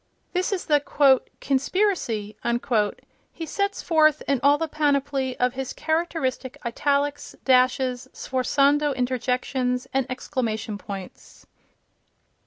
This is the "conspiracy" he sets forth in all the panoply of his characteristic italics, dashes, sforzando interjections and exclamation points.